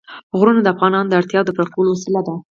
غرونه د افغانانو د اړتیاوو د پوره کولو وسیله ده.